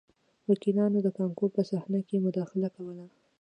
وکیلانو د کانکور په صحنه کې مداخله کوله